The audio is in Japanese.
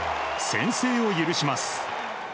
先制を許します。